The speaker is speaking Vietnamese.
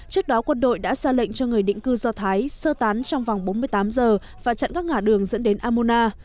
trước đó quân đội đã ra lệnh cho người định cư do thái sơ tán trong vòng bốn mươi tám giờ và chặn các ngã đường dẫn đến amona